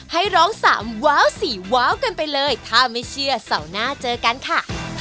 ให้ร้องสามว้าวสี่ว้าวกันไปเลยถ้าไม่เชื่อเสาร์หน้าเจอกันค่ะ